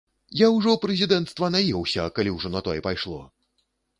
Я ўжо прэзідэнцтва наеўся, калі ўжо на тое пайшло.